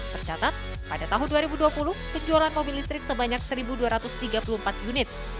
tercatat pada tahun dua ribu dua puluh penjualan mobil listrik sebanyak satu dua ratus tiga puluh empat unit